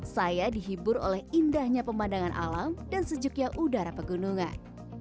saya dihibur oleh indahnya pemandangan alam dan sejuknya udara pegunungan